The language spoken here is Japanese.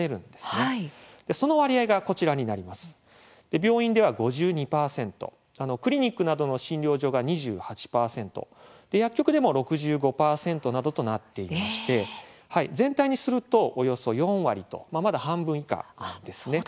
病院では５２％クリニックなどの診療所が２８％薬局でも６５％などとなっていまして、全体にするとおよそ４割とまだ半分以下なんですね。